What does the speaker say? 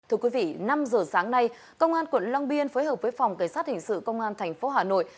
thưa quý vị năm giờ sáng nay công an quận long biên phối hợp với phòng cảnh sát hình sự công an tp hà nội